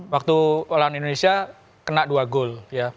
waktu olahan indonesia kena dua gol